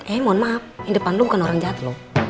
eh mohon maaf yang depan lo bukan orang jahat lo